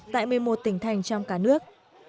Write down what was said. tại một mươi một tỉnh thành trong cả nước